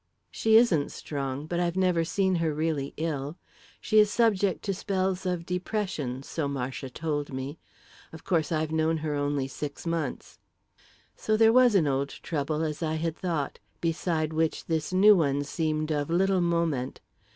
"She isn't strong; but I've never seen her really ill. She is subject to spells of depression, so Marcia told me. Of course, I've known her only six months." So there was an old trouble, as I had thought, beside which this new one seemed of little moment.